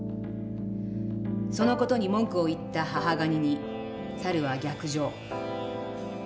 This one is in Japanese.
その事に文句を言った母ガニに猿は逆上。